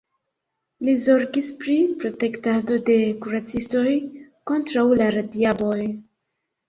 Li zorgis pri protektado de kuracistoj kontraŭ la radiadoj.